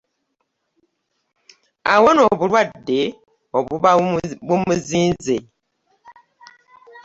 Awona obulwadde obuba bumuzinze.